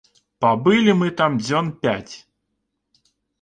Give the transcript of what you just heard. Пабылі мы там дзён пяць.